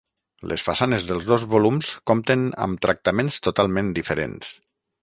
Les façanes dels dos volums compten amb tractaments totalment diferents.